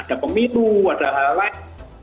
ada pemilu ada hal lain